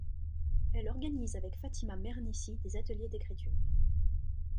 Elle organise avec Fatima Mernissi des ateliers d'écriture.